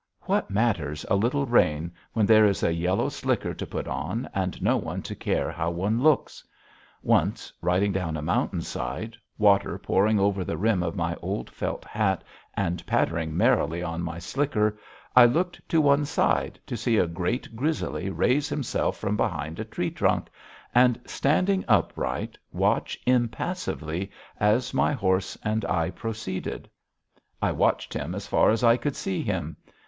What matters a little rain when there is a yellow slicker to put on and no one to care how one looks? Once, riding down a mountain side, water pouring over the rim of my old felt hat and pattering merrily on my slicker, I looked to one side to see a great grizzly raise himself from behind a tree trunk, and, standing upright, watch impassively as my horse and I proceeded. I watched him as far as I could see him.